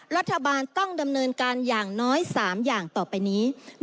รัฐบาลต้องดำเนินการอย่างน้อย๓อย่างต่อไปนี้